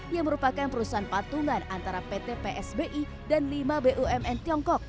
yang merupakan perusahaan patungan antara pt psbi dan lima bumn tiongkok